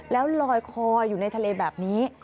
แล้วลอยคออยู่ในทะเลแบบนี้